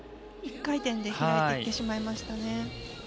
１回転で行ってしまいました。